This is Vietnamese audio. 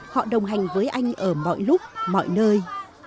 họ đồng hành với anh ở mọi lúc mọi nơi